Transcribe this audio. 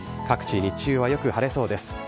各地、日中はよく晴れそうです。